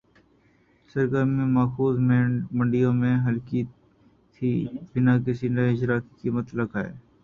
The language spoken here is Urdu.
سرگرمی ماخوذ منڈیوں میں ہلکی تھِی بِنا کسی نئے اجراء کی قیمت لگائے